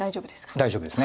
大丈夫です。